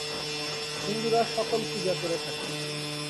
হিন্দুরা সকল পূজা করে থাকে।